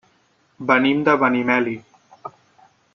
Venim de Benimeli.